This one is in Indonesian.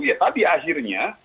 ya tadi akhirnya